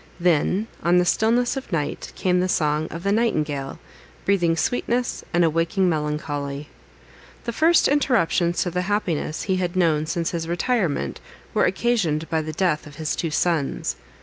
Then, on the stillness of night, came the song of the nightingale, breathing sweetness, and awakening melancholy. The first interruptions to the happiness he had known since his retirement, were occasioned by the death of his two sons.